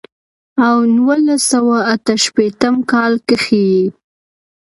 او نولس سوه اتۀ شپېتم کال کښې ئې